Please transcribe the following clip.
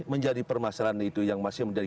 menjadi permasalahan itu yang masih menjadi